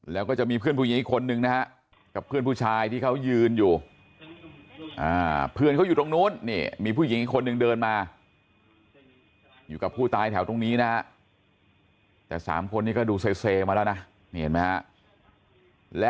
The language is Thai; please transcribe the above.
แล้วก็จะมีเพื่อนผู้หญิงอีกคนหนึ่งนะครับ